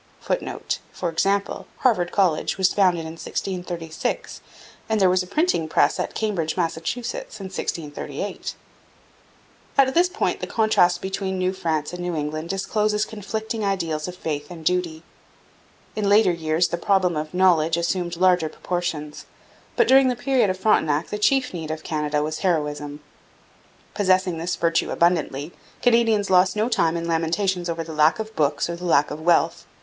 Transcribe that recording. [Footnote: For example, Harvard College was founded in 1636, and there was a printing press at Cambridge, Mass., in 1638.] At this point the contrast between New France and New England discloses conflicting ideals of faith and duty. In later years the problem of knowledge assumed larger proportions, but during the period of Frontenac the chief need of Canada was heroism. Possessing this virtue abundantly, Canadians lost no time in lamentations over the lack of books or the lack of wealth.